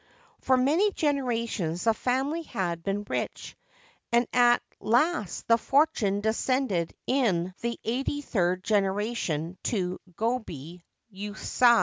For many generations the family had been rich, and at last the fortune descended in the eighty third generation to Gobei Yuasa.